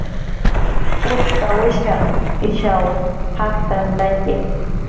Putkawishiq ishaw jaktantantxi